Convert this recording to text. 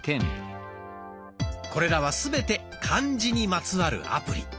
これらはすべて「漢字」にまつわるアプリ。